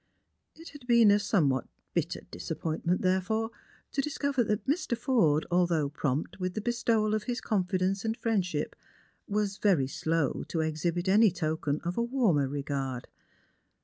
It had been a somewhat bitter disappointment, therefore, to discover that Mr. Forde, although prompt with the bestowal of his confidence and friendship, was very slow to exhibit; any token of a warmer regard.